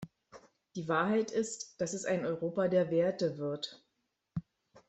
Die Wahrheit ist, dass es ein Europa der Werte wird.